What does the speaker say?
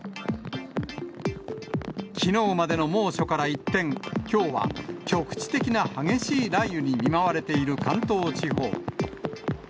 きのうまでの猛暑から一転、きょうは局地的な激しい雷雨に見舞われている関東地方。